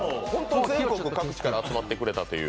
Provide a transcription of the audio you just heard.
全国各地から集まってくれた。